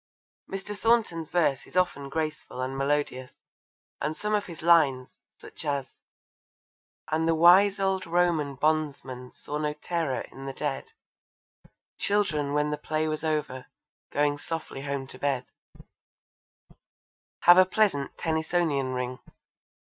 Mr. Thornton's verse is often graceful and melodious, and some of his lines, such as And the wise old Roman bondsman saw no terror in the dead Children when the play was over, going softly home to bed, have a pleasant Tennysonian ring.